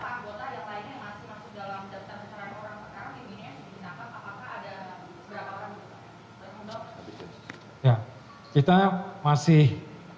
pak sampai sekarang berapa anggota yang lainnya yang masih masuk dalam daftar pencarian orang sekarang yang ini yang ditangkap apakah ada seberapa orang yang ditangkap